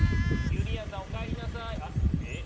ゆりやんさんおかえりなさい！